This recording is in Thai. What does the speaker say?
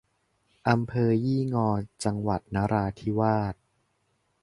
อำเภอยี่งอ จังหวัดนราธิวาส